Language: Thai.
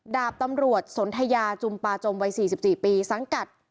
ดาบตำรวจสนทยาจุมปาจมวัย๔๔ปีสังกัด